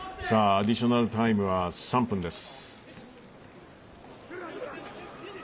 アディショナルタイムは３分です。